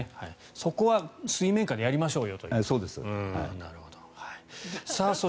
そこは水面下でやりましょうよと。